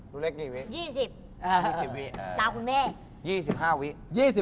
นูเล็กกี่วิ